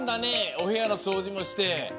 おへやのそうじもして。